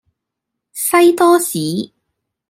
西多士